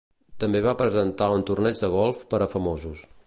També va presentar un torneig de golf per a famosos.